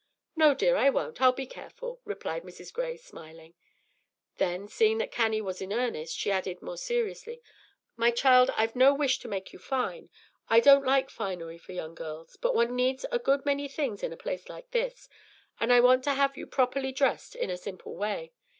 "No, dear, I won't. I'll be careful," replied Mrs. Gray, smiling. Then, seeing that Cannie was in earnest, she added, more seriously: "My child, I've no wish to make you fine. I don't like finery for young girls; but one needs a good many things in a place like this, and I want to have you properly dressed in a simple way.